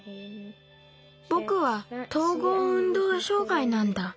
ぼくは統合運動障害なんだ。